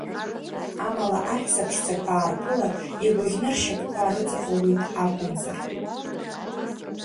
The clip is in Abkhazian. Амала, аҳәса ԥшӡақәа аарԥылар, игәыӷьны ршьапқәа рыҵаҟәылоит акәымзар…